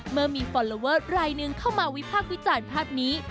เมื่อมีฟอร์โลเวอร์รายนึงเข้ามาวิภาควิจารณ์ภาพนี้